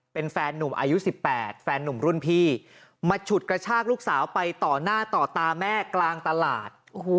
เป็นแฟนหนุ่มอายุ๑๘แฟนนุ่มรุ่นพี่มาฉุดกระชากลูกสาวไปต่อหน้าต่อตาแม่กลางตลาด